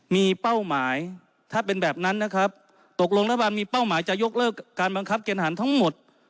มีเป้าหมายถ้าเป็นแบบนั้นนะครับตกลงรัฐบาลมีเป้าหมายจะยกเลิกการบังคับเกณฑหารทั้งหมด